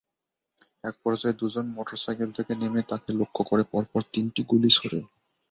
একপর্যায়ে দুজন মোটরসাইকেল থেকে নেমে তাঁকে লক্ষ্য করে পরপর তিনটি গুলি ছোড়ে।